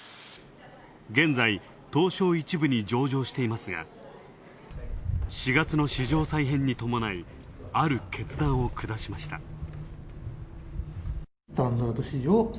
現在、東証１部に上場していますが、４月の市場再編にともない、ある決断を下しました。